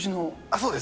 そうです。